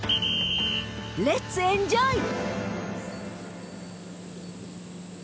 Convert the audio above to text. ［レッツエンジョイ！］